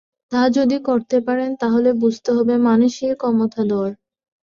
তা যদি করতে পারেন তাহলে বুঝতে হবে মানুষই ক্ষমতাধর।